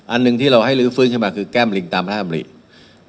อันหนึ่งที่เราให้รื้อฟื้นใช่ไหมคือแก้มลิงตามภาษาอเมริกา